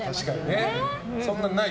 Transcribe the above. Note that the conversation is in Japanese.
そんなのない？